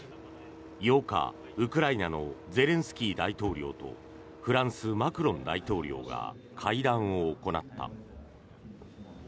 ８日、ウクライナのゼレンスキー大統領とフランス、マクロン大統領が会談を行った。